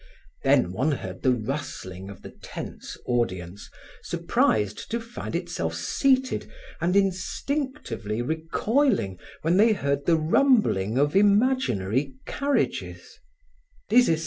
Then one heard the rustling of the tense audience, surprised to find itself seated and instinctively recoiling when they heard the rumbling of imaginary carriages.